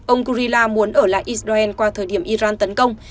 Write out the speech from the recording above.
ông kurila muốn ở lại israel qua thời điểm iran tấn công